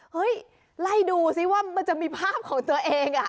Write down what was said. เฮ้ยไล่ดูซิว่ามันจะมีภาพของตัวเอง